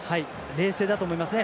冷静だと思いますね。